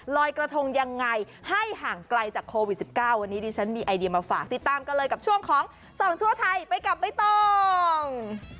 ลอยกระทงยังไงให้ห่างไกลจากโควิด๑๙วันนี้ดิฉันมีไอเดียมาฝากติดตามกันเลยกับช่วงของส่องทั่วไทยไปกับใบตอง